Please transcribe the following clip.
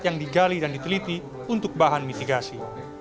yang digali dan diteliti untuk bahan mitigasi